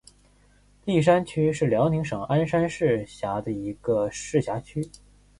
立山区是辽宁省鞍山市下辖的一个市辖区。